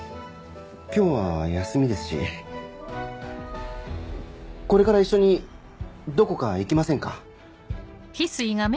今日は休みですしこれから一緒にどこか行きませんか？